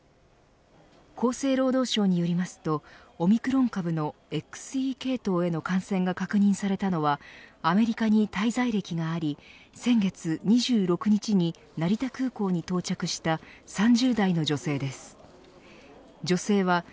厚生労働省によりますとオミクロン株のＥＸ系統への感染が確認されたのはアメリカに滞在歴があり先月２６日に成田空港に到着した３０代の女性です。